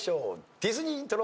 ディズニーイントロ。